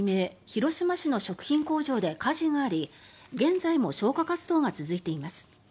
広島市の食品工場で火事があり現在も消火活動が続いています。